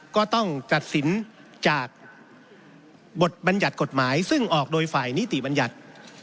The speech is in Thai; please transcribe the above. ก็ต้องตัดสินจากบทบัญญัติกฎหมายซึ่งออกโดยฝ่ายนิติบัญญัติ